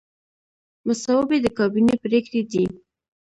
مصوبې د کابینې پریکړې دي